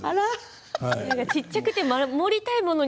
小さくて守りたいものに対して。